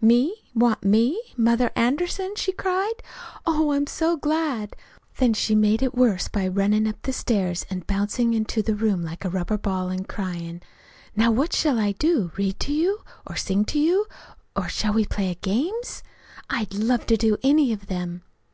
"'Me? Want me? Mother Anderson?' she cried. 'Oh, I'm so glad!' Then she made it worse by runnin' up the stairs an' bouncin' into the room like a rubber ball, an' cryin': 'Now, what shall I do, read to you, or sing to you, or shall we play games? I'd love to do any of them!'